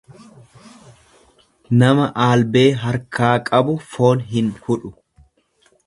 Nama aalbee harkaa qabu foon hin hudhu.